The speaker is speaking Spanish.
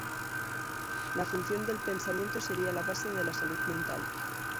La función del pensamiento sería la base de la salud mental.